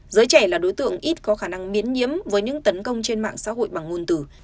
giới trẻ là đối tượng ít có khả năng miến nhiếm với những tấn công trên mạng xã hội bằng ngôn từ